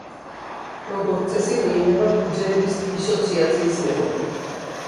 როგორც წესი მიიღება ფუძეების დისოციაციის მეთოდით.